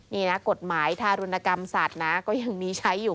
นี่นะกฎหมายทารุณกรรมสัตว์นะก็ยังมีใช้อยู่